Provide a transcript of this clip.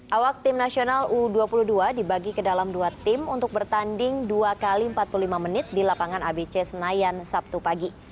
awak tim nasional u dua puluh dua dibagi ke dalam dua tim untuk bertanding dua x empat puluh lima menit di lapangan abc senayan sabtu pagi